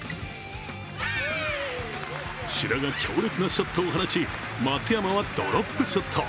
志田が強烈なショットを放ち、松山はドロップショット。